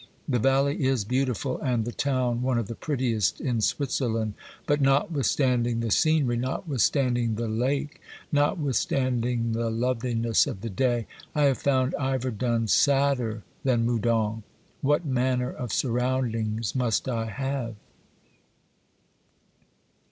The valley is beautiful, and the town one of the prettiest in Switzerland, but notwith standing the scenery, notwithstanding the lake, notwith standing the loveliness of the day, I have found Iverdun sadder than Moudon. What manner of surroundings must I have